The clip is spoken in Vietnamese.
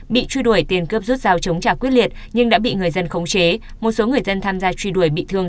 bị truy đuổi tiền cướp rút dao chống trả quyết liệt nhưng đã bị người dân khống chế một số người dân tham gia truy đuổi bị thương